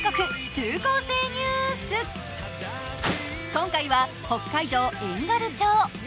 今回は北海道遠軽町。